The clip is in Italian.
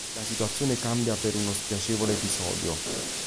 La situazione cambia per uno spiacevole episodio.